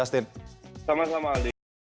a sampai z